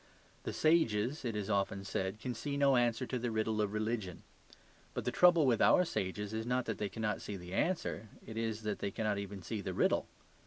The sages, it is often said, can see no answer to the riddle of religion. But the trouble with our sages is not that they cannot see the answer; it is that they cannot even see the riddle.